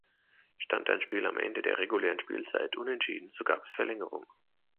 Stand ein Spiel am Ende der regulären Spielzeit unentschieden, so gab es Verlängerung.